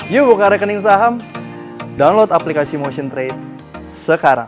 yuk buka rekening saham download aplikasi motion trade sekarang